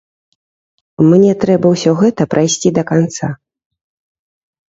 Мне трэба ўсё гэта прайсці да канца.